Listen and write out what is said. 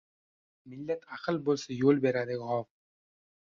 Millat ahil bo’lsa – yo’l beradi g’ov